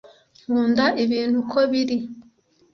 nkunda ibintu uko biri